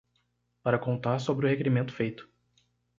Para contar sobre o requerimento feito